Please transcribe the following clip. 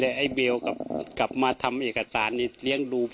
ที่นี่ทางเรียนหนังสือก็เรียนด้วยกันไปโรงเรียนด้วยกัน